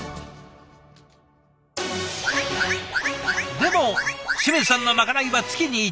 でも清水さんのまかないは月に一度。